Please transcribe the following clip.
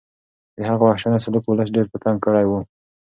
د هغه وحشیانه سلوک ولس ډېر په تنګ کړی و.